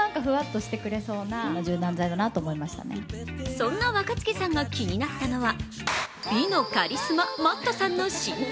そんな若槻さんが気になったのは美のカリスマ・Ｍａｔｔさんの身長。